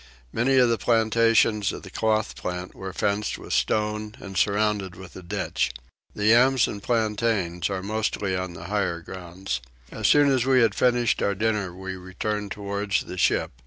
Many of the plantations of the cloth plant were fenced with stone and surrounded with a ditch. The yams and plantains are mostly on the higher grounds. As soon as we had finished our dinner we returned towards the ship.